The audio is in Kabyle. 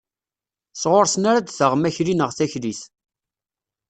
Sɣur-sen ara d-taɣem akli neɣ taklit.